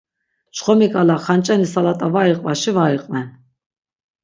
Çxomi ǩala xanç̌eni salat̆a var iqvaşi var iqven.